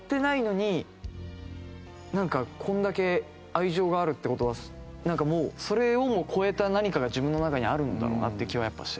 なんかこれだけ愛情があるって事はもうそれをも超えた何かが自分の中にあるんだろうなっていう気はやっぱりしてて。